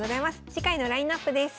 次回のラインナップです。